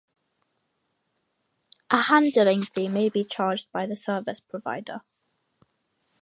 A handling fee may be charged by the service provider.